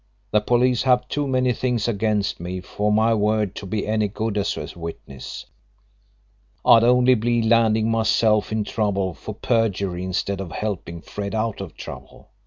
The police have too many things against me for my word to be any good as a witness. I'd only be landing myself in trouble for perjury instead of helping Fred out of trouble.